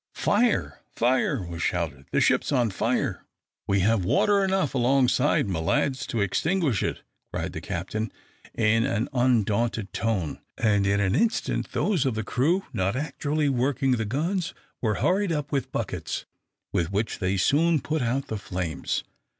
"Fire, fire!" was shouted; "the ship's on fire!" "We have water enough alongside, my lads, to extinguish it!" cried the captain, in an undaunted tone; and in an instant those of the crew not actually working the guns were hurried up with buckets, with which they soon put out the flames.